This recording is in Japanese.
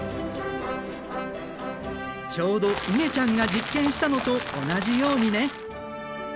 ちょうどいげちゃんが実験したのと同じようにね。